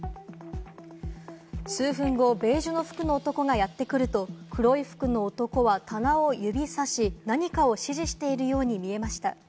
数分後、ベージュの服の男がやってくると黒い服の男は棚を指さし、何かを指示しているように見えました。